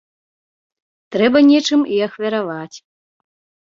Трэба нечым і ахвяраваць.